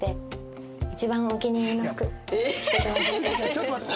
ちょっと待って。